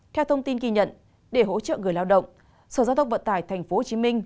theo thông tin kỳ nhận để hỗ trợ người lao động sở giao thông vận tải tp hcm